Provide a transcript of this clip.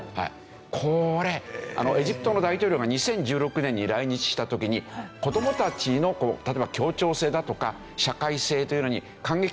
これエジプトの大統領が２０１６年に来日した時に子どもたちの例えば協調性だとか社会性というのに感激してですね